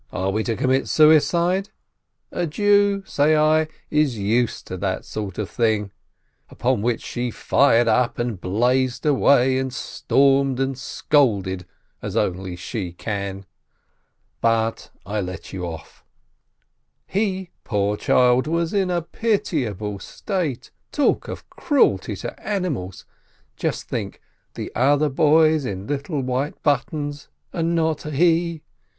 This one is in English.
Are we to commit suicide? A Jew," say I, "is used to that sort of thing," upon which she fired up and blazed away and stormed and scolded as only she can. But I let you off! He, poor child, was in a pitiable state. Talk of cruelty to animals ! Just think : the other boys in little white buttons, and not he